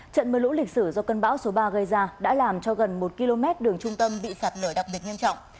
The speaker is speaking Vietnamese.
trận mưa lũ lịch sử do cơn bão số ba gây ra đã làm cho gần một km đường trung tâm bị sạt lở đặc biệt nghiêm trọng